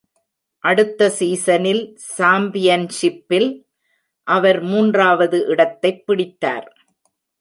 அடுத்த சீசனில் சாம்பியன்ஷிப்பில் அவர் மூன்றாவது இடத்தைப் பிடித்தார்.